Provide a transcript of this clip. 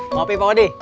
ngopi pak odi